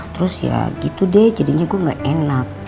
terus ya gitu deh jadinya gue gak enak